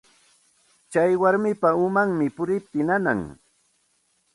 Tsay warmapa umanmi puriptin nanan.